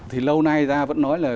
thì lâu nay ta vẫn nói là